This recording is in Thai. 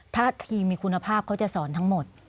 ถ้าทีมมีคุณภาพเขาจะสอนทั้งหมด